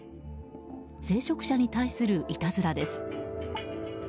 聖職者に対するいたずらです。